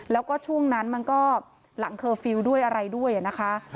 แล้วก็ช่วงนั้นมันก็หลังเคอร์ฟิลล์ด้วยอะไรด้วยนะคะ